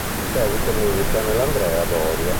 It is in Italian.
In seguito milita nell'Andrea Doria.